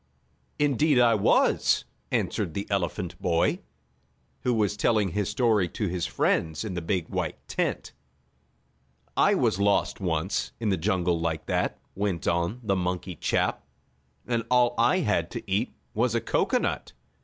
"Indeed I was," answered the elephant boy, who was telling his story to his friends in the big, white tent. "I was lost once, in the jungle like that," went on the monkey chap, "and all I had to eat was a cocoanut.